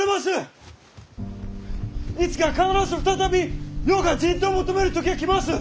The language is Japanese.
いつか必ず再び世が人痘を求める時が来ます。